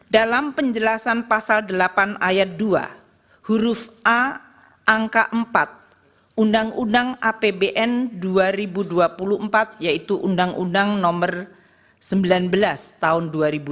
dalam penjelasan pasal delapan ayat dua huruf a angka empat undang undang apbn dua ribu dua puluh empat yaitu undang undang nomor sembilan belas tahun dua ribu dua puluh